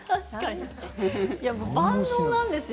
万能なんですよ